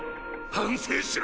反省しろ！